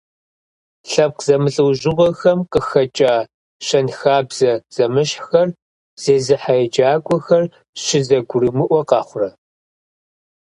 Лъэпкъ зэмылӏэужьыгъуэхэм къыхэкӏа, щэнхабзэ зэмыщхьхэр зезыхьэ еджакӀуэхэр щызэгурымыӀуэ къэхъурэ?